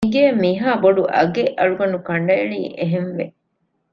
މިގެއަށް މިހާބޮޑު އަގެއް އަޅުގަނޑު ކަނޑައެޅީ އެހެންވެ